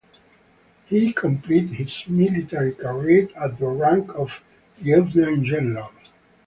He completed his military career at the rank of Lieutenant General.